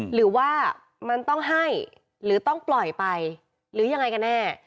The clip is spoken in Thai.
หรือว่ามันต้องให้หรือต้องปล่อยไปหรือยังไงกันแน่